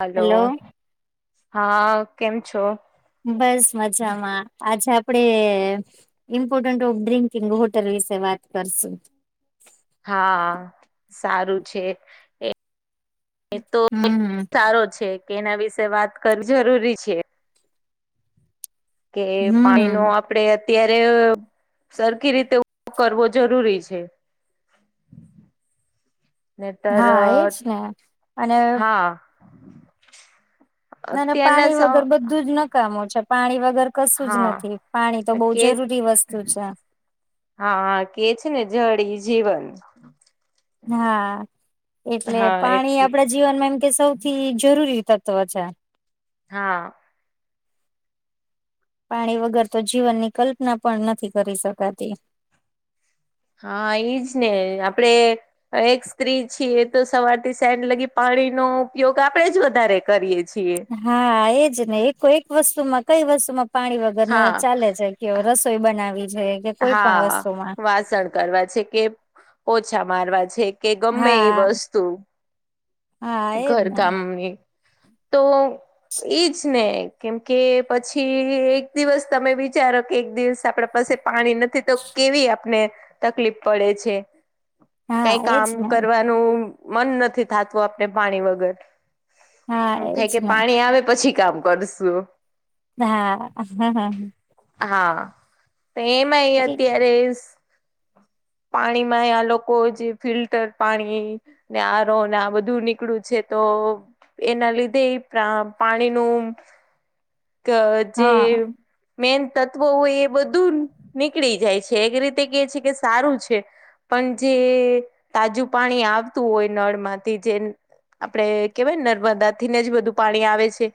Hello hello હા કેમ છો બસ મજામાં આજે આપડે ઇમ્પોર્ટન્ટ ઓફ ડ્રિંકિંગ હોટલ વિશે વાત કરશું. હા સારું છે. એ તો હમ સારો છે કે એના વિશે વાત કર જરૂરી છે. કે પાણી નું હમ આપ ડે અત્યારે સરખી રીતે ઉપયોગ કરવો જરૂરી છે. નહીતર હા એજ ને અને હા ના ના અત્યારના પાણી સ વગર બધું જ નકામું છે પાણી વગર કશું જ હા નથી પાણી તો બવ કે જરૂરી વસ્તુ છે. હા કે છે ને જળ એ જીવન. હા એટલે હા પાણી એટલી આપડે જીવનમાં એમ કે સૌથી જરૂરી તત્વ છે. હા પાણી વગર તો જીવન ની કલ્પના પણ નથી કરી શકાતી. હા એઈજ ને આપડે એક સ્ત્રી છીએ તો સવારથી સેન્જ લગી પાણીનો ઉપયોગ આપણેે જ વધારે કરીએ છીએ. હા એજ ને એકો એક વસ્તુ માં કઈ વસ્તુમાં પાણી વગર હા ચાલે છે કે રસોઈ બનાવી છે કોઈ પણ હા વસ્તુમાં વાસણ કરવા છે કે પોછા મારવા છે કે ગમે એ હા વસ્તુ હા એજ ને ઘરકામની તો [inaudible] એજ ને કેમ કે પછી એક દિવસ તમે વિચારો કે એક દિવસ આપડા પાસે પાણી નથી તો કેવી આપને તકલીફ પડે છે હા કઈ કામ એજ ને કરવા નું મન નથી થતું આપણે પાણી વગર. હા એમ થાય એજ કે ને પાણી આવે પછી કામ કરશું. હા હા તો એમાંય એટલે અત્યારે પાણીમાંય આ લોકો જે ફિલ્ટર પાણી ને આર ઓ ને આ બધું નીકળું છે તો એના લીધેય પ્ર પાણીનું ક જે હા મેન તત્વો હોય એ બધ બધું નીકળી જાય છે એક રીતે કે છે કે સારું છે. પણ જે તાજું પાણી આવતું હોય નળ માંથી જે આપડે કેવાયને નર્મદા થીને જ બધું પાણી આવે છે.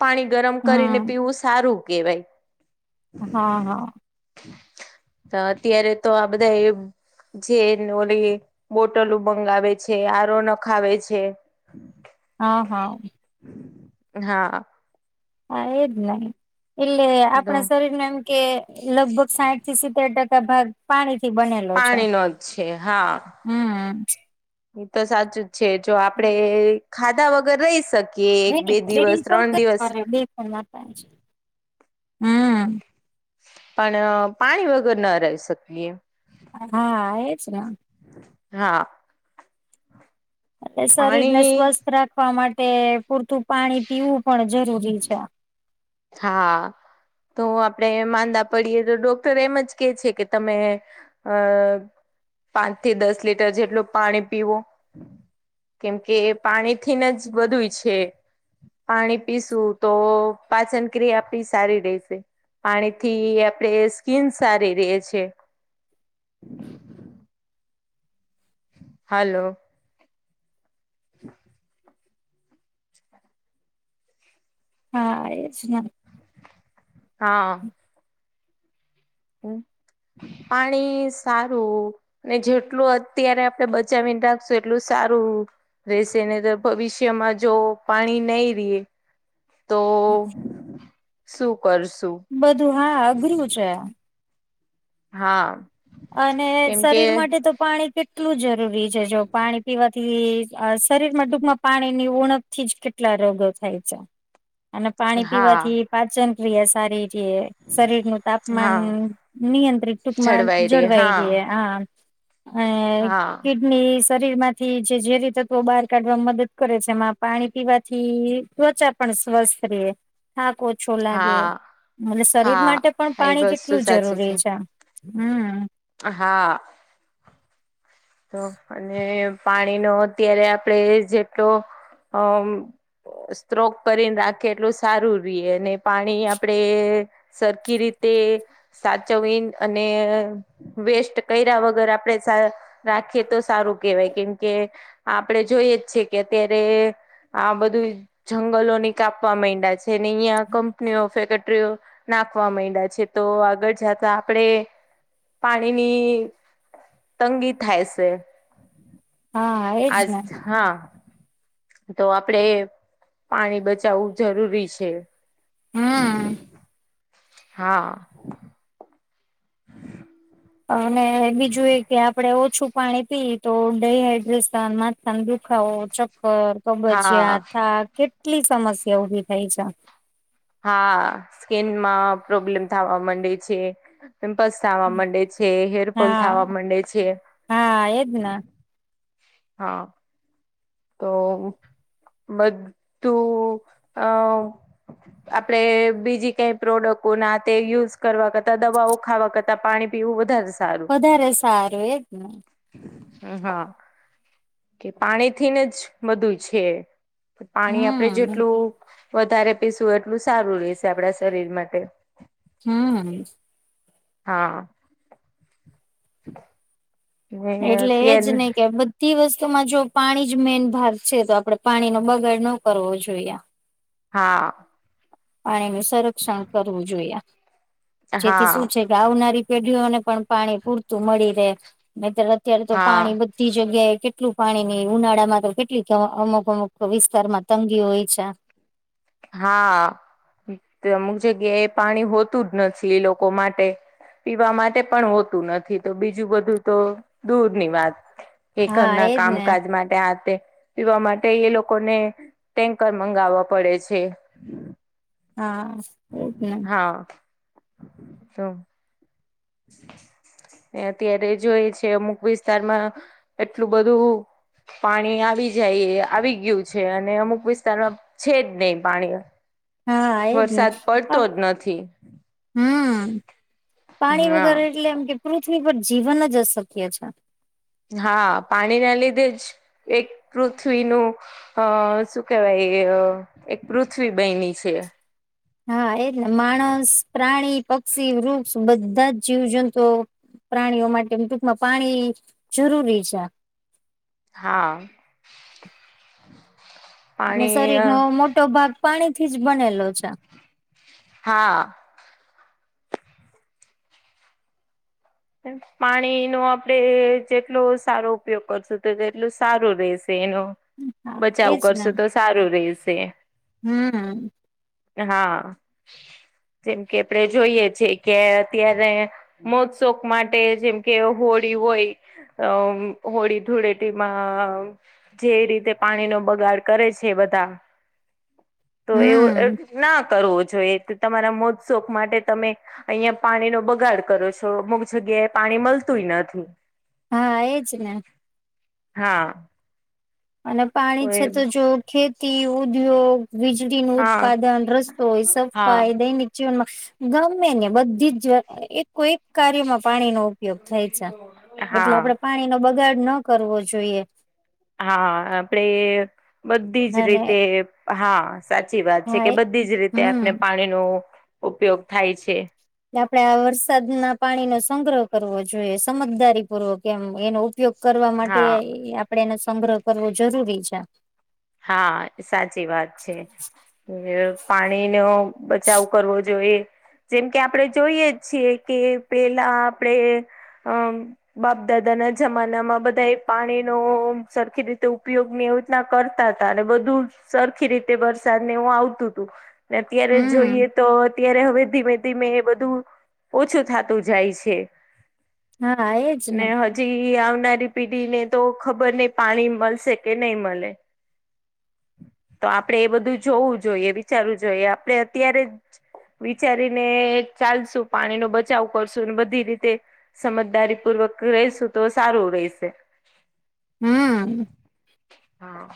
પાણી ગરમ કરીને હમ પીવું સારું કેહેવાય. હા હા તો અત્યારે તો આ બધા એ જેન ઓલી બોટલ મંગાવે છે, આર ઓ નખાવે છે. હા, હા. હા. હા એજ ને. એટલે આપણા શરીર ને એમ કે લગભગ સાઈઠ થી સિત્તેર ટકા ભાગ પાણીથી બનેલું પાણી નો જ છે, હા. હમ્મ. ઈ તો સાચું જ છે. જો આપણેે ખાધા વગર રહી શક કીએ એક, બે દિવસ, ત્રણ દિવસ હમ્મ. પણ પાણી વગર ન રહી શકીએ. હા, એ જ ના. હા. એટલે શરીર ને પાણી સ્વસ્થ રાખવા માટે પૂરતું પાણી પીવું પણ જરૂરી છે. હા. તો આપડે માંદા પડીએ તો ડોક્ટર એમ જ કહે છે કે તમે અહ પાંચ થી દસ લીટર જેટલું પાણી પીવો. કેમ કે પાણી થીન જ બધુંય છે. પાણી પીસું તો પાચન ક્રિયા આપણી સારી રેશે. પાણી થી આપડે સ્કીન સારી રહે છે. [inaudible] હાલો. [inaudible] હા એ જ ના. હા. હમ્મ. પાણી સારું ને જેટલું અત્યારે આપડે બચાવીને રાખશું એટલું સારું રહેશે ને, તો ભવિષ્યમાં જો પાણી નહીં રીએ તો શું કરશું? બધું, હા, અઘરું છે આ. હા. અને કેમ કે શરીર માટે તો પાણી કેટલું જરૂરી છે, જો પાણી પીવા થી શરીર માં ટૂંકમાં પાણી ની ઉણપ થી જ કેટલા રોગો થાય છે. અને પાણી હા પીવાથી પાચન ક્રિયા સારી તે શરીર નું તાપમાન હા નિયંત્રિત ટૂંકમાં જળવાઈ રે જળવાય હા રહે. હા, હા અને [unintelligible] ની શરીર માંથી જે ઝેરી તત્વો બહાર કાઢવા મદદ કરે છે, એમાં પાણી પીવાથી ત્વચા પણ સ્વસ્થ રીએ. થાક ઓછો લાગે, હા માટે શરીર હા માટે પણ આ એ પાણી વસ્તુ કેટલું સાચી જરૂરી છે. હમ્મ. હા. તો અને પાણીનો અત્યારે આપડ જેટલો અમ્મ સ્ત્રોક કરીને રાખીએ એટલું સારું રીએ, અને પાણી આપણેે સરખી રીતે સાચવીન અને વેસ્ટ કર્યા વગર આપડે સાર રાખીએ તો સારું કહેવાય, કેમકે આપડે જોઈએ જ છે કે અત્યારે આ બધું જંગલોને કાપવા મયંડા છે ને અહીયાં કંપનીઓ, ફેકેટરીઓ નાખવા માંડ્યા છે તો આગળ જતા આપણેે પાણીની તંગી થાય છે, હા એજ આજ ને હા તો આપડે પાણી બચાવવું જરૂરી છે હમ હા અને બીજું એ કે આપડે ઓછું પાણી પી તો ડડીહાઈડ્રેશન માથાને દુખાવો ચક્કર હા તોબજયાથા કેટલી સમસ્યા ઉભી થઈ છે હા સ્કીિનમાં પ્રોબ્લેમ થવા માંડે છે પિમ્પલ્સ થવા માંડે છે હેરફોલ થવા હા માંડે છે હા એદના હા તો બધું આ આપણે બીજી કઈ પ્રોડક્ટો ના તે યુઝ કરવા કરતાં દવાઓ ખાવા કરતાં પાણી પીવું વધારે સા વધારે સારું એજ ને હા કે પાણીથીને જ બધું છે પાણી આપડણે હમ જેટલું વધારે પીસવુંય એટલું સારું રેશે આપડા શરીર માટે હમ હા ને એટલે એજ તેન નહ કે બધ તે વસ્તુમાં જો પાણી જ મેન ભાર છે તો આપડે પાણીનો બગાડ ન કરવો જોઈએ હા પાણીનું સંરક્ષણ કરવું જોઈએ જેથી શું હા છે ગાવનારી પેઢીઓને પણ પાણી પૂરતું મળી રહે ન તો અત્યારે તો હા પાણી બ જગ્યાએ કેટલું પાણીની ઉનાળામાં તો કેટલી અમુક અમુક વિસ્તારમાં તંગી હોય છે હા અમુક જગ્યા એ પાણી હોતું જ નથી એ લોકો માટે પીવા માટે પણ હોતું નથી તો બીજું બધું તો દૂરની વાત [unintelligible] હા ઘરના એજ ને કામકાજ માટે આ તે પીવા માટે એ લોકોને ટેન્કર મંગાવવા પડે છે. હા એજ ને હા તો [inaudible] અત્યારે જોઈ છે અમુક વિસ્તારમાં એટલું બધું પાણી આવી જાય આવી ગીઉ છે અને અમુક વિસ્તારમાં છે જ ની પાણી હા એ જ ને વરસાદ પડતો જ નથી હમ હા [unintelligible] હા પાણી ના લીધે જ એક પૃથ્વીનું અ શું કેવાય [unintelligible] પૃથ્વી બયની છે હા [unintelligible] ને માણસ પ્રાણી પક્ષી વૃક્ષ બધા જ જીવજંતુઓ પ્રાણીઓ માટે ટૂંકમાં પાણી જરૂરી છે હા અને પાણી શરીરનો મોટો ભાગ પાણી થી જ બનેલો છે હા પાણીનો આપડે જેટલો સારો ઉપયોગ કરશું તો તેટલું સારું રેશે એનો હા બચાવ એજ ને કરશો તો સારું રેશે હમ હા જેમ કે [unintelligible] જોઈએ છે કે અત્યારે મો શોક માટે જેમ કે હોળી હોય અમ હોળી ધૂળેટીમાં જે રીતે પાણી નો બગાડ કરે છે બધા [inaudible] તો એવો હમ ન કરવો જોઈએ. તમારા મોજ શોખ માટે તમે અઈયાં પાણી નો બગાડ કરો છો તો અમુક જગ્યાએ પાણી મલતુ નથી હા એજ ને હા અને પાણી છે તો જો ખેતી ઉદ્યોગ વીજળી નું હા ઉત્પાદન રસ્તોય [unintelligible] હા જીવનમાં ગમે ને બધી જ એકો એકો કાર્યમાં પાણી નો ઉપયોગ થાય છે એટલે હા આપડે પાણી નો બગાડ ન કરવો જોઈએ હા આપડે બધી જ અને રીતે હા સાચી વાત છે હા કે બધી જ રીતે આપને હમ પાણીનુ ઉપયોગ થાય છે એટલે આપડે આ વરસાદ ના પાણી નો સંગ્રહ કરવો જોઈએ સમજદારીપૂર્વક એમ એનો ઉ ઉપયોગ કરવા માટે હા આપડે એને સંગ્રહ કરવો જરૂરી છે હા સાચી વાત છે પાણીનો બચાવ કરવો જોઈએ જેમ કે આપણે જોઈએ છીએ કે પેલા આપણે અમ બાપ દાદા ના જમાનામાં બધા એ પાણીનો સરખી રીતે ઉપયોગ [unintelligible] તાતા અને બધું સરખી રીતે વરસાદ ને એવું આવતું ઉતું અત્યારે હમ જોઈએ તો અત્યારે હવે ધીમે ધીમે એ બધું ઓછું થતું જાય છે. હા એજ ને [unintelligible] આવનારી પીઢી ને તો ખબર નઈ પાણી મલશે કે નઈ મલે તો આપડળે એ બધું જોવું જોઈએ વિચારવું જોઈએ આપણે અત્યારે વિચારીને ચાલશુ પાણી નો બચાવ કરશું ને બધી રીતે સમજદારી પૂર્વક [unintelligible] તો સારું રેશે હમ હા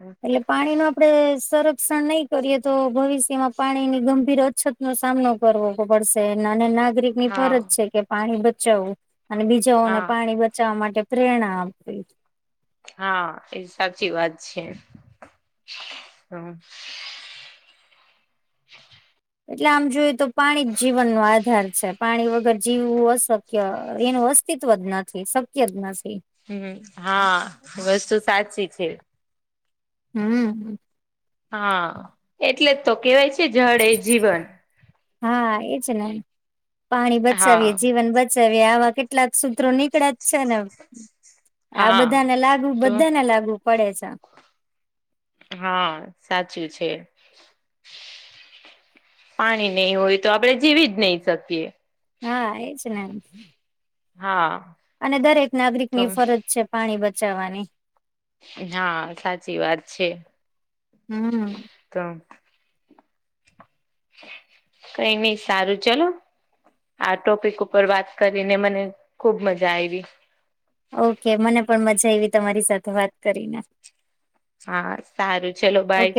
હમ એટલે પાણી નો આપણે સંરક્ષણ નઈ કરીએ તો ભવિષ્યમાં પાણીની ગંભીર અછત નો સામનો કરવો પડશે અને ના નાગરિકની ફરજ હા છે કે પાણી બચાવવું અને બીજાઓને હા પાણી બચાવવા માટે પ્રેણા આપવી હા એ સાચી વાત છે એટલે આમ જોયએ તો પાણી જ જીવન નુ આધાર છે પાણી વગર જીવવું અ ક્ય એનું અસ્તિત્વ જ નથી શક્ય જ નથી હમ હા વસ્તુ સાચી છે હમ હા એટલે તો કેવાય છે જાળ એ જીવન હા એ જ ને પાણી બચાવીએે હા જીવન બ આવા કેટલાક સૂત્રો નીકળા છે ને આમ આ હા બધાને લાગુ તો બધાને લાગુ પડે છે હા સાચું છે પાણી નઈ હોય તો આપડણે જીવી જ નઈ શકીએ હા એજ ને હા અને દરેક નાગરિક તો ની ફરજ છે પાણી બચાવવાની હા સાચી વાત છે હમ તો કઈ ની સારું ચલો આ ટોપિક ઉપર વાત કરીને મને ખુબ મજા આયવી ઓ કે મને પણ મજા એવી તમારી સાથે વાત કરીને હા સારું ચલો બાય